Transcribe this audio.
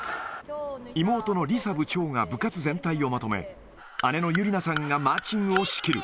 妹のりさ部長が部活全体をまとめ、姉のゆりなさんがマーチングを仕切る。